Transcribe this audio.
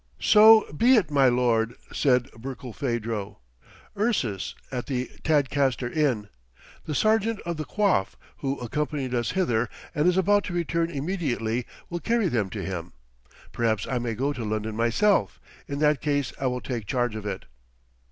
"So be it, my lord," said Barkilphedro. "Ursus, at the Tadcaster Inn. The Serjeant of the Coif, who accompanied us hither, and is about to return immediately, will carry them to him. Perhaps I may go to London myself. In that case I will take charge of it."